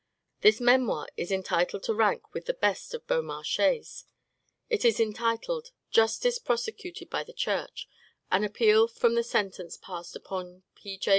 This memoir is entitled to rank with the best of Beaumarchais's; it is entitled: "Justice prosecuted by the Church; An Appeal from the Sentence passed upon P. J.